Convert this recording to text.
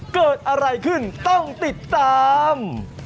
เกิดอะไรขึ้นต้องติดตาม